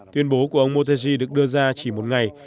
tuyên bố của ông motegi được đưa ra chỉ một ngày